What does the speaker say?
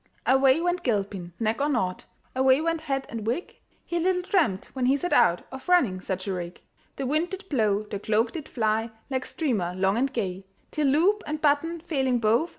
Away went Gilpin, neck or nought, Away went hat and wig; He little dreamt, when he set out, Of running such a rig. The wind did blow, the cloak did fly Like streamer long and gay, Till, loop and button failing both.